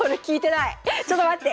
ちょっと待って！